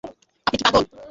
আপনি কি পাগল?